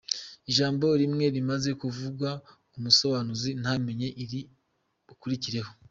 Ijambo rimwe rimaze kuvugwa umusobanuzi ntamenya iriri bukurikireho.